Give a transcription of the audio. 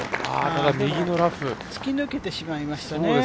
ただ右のラフ突き抜けてしまいましたね。